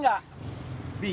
kok gak digas